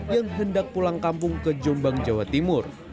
yang hendak pulang kampung ke jombang jawa timur